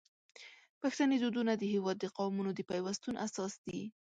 پښتني دودونه د هیواد د قومونو د پیوستون اساس دي.